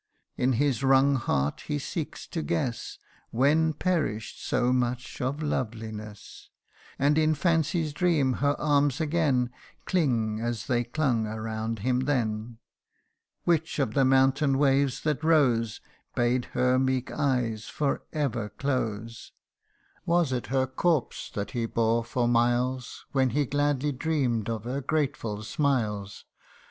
In his wrung heart he seeks to guess When perish 'd so much of loveliness ; CANTO IV. 157 And in Fancy's dream her arms again Cling, as they clung around him then. Which of the mountain waves that rose, Bade her meek eyes for ever close ? Was it her corpse that he bore for miles, When he gladly dreamt of her grateful smiles